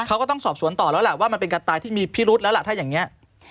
เขาก็ต้องสอบสวนต่อแล้วล่ะว่ามันเป็นการตายที่มีพิรุษแล้วล่ะถ้าอย่างนี้